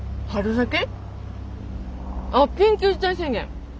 あっ緊急事態宣言。